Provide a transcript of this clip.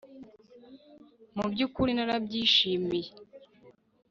mu byukuri narabyishimiye